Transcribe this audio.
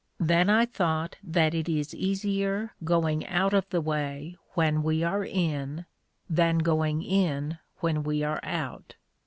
(Then I thought that it is easier going out of the way when we are in, than going in when we are out.)